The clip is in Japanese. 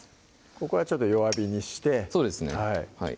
ここはちょっと弱火にしてそうですね